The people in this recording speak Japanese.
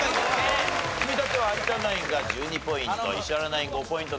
積み立ては有田ナインが１２ポイント石原ナイン５ポイント。